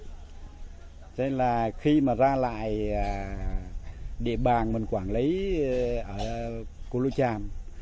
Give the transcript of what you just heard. cho nên là khi mà ra lại địa bàn mình quản lý ở cô lô tràm